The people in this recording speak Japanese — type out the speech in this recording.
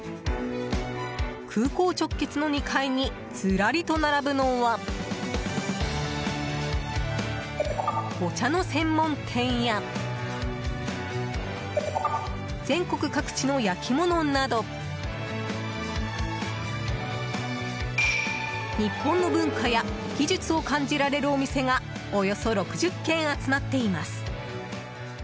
空港直結の２階にずらりと並ぶのはお茶の専門店や全国各地の焼き物など日本の文化や技術を感じられるお店がおよそ６０軒、集まっています。